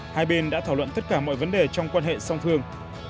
hai bên đã thảo luận tất cả mọi vấn đề trong quan hệ song phương